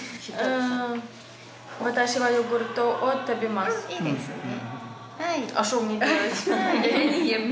うんいいですね。